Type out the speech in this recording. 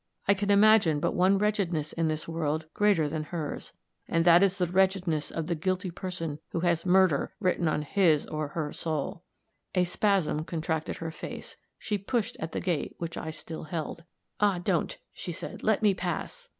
I can imagine but one wretchedness in this world greater than hers and that is the wretchedness of the guilty person who has murder written on his or her soul." A spasm contracted her face; she pushed at the gate which I still held. "Ah, don't," she said; "let me pass."